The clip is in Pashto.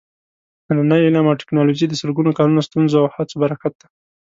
نننی علم او ټېکنالوجي د سلګونو کالونو ستونزو او هڅو برکت دی.